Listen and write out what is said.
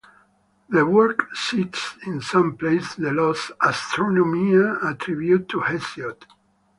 The work cites in some places the lost "Astronomia" attributed to Hesiod.